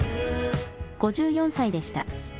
５４歳でした。